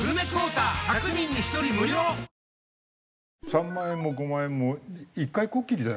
３万円も５万円も１回こっきりだよね？